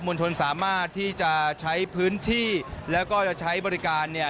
ลชนสามารถที่จะใช้พื้นที่แล้วก็จะใช้บริการเนี่ย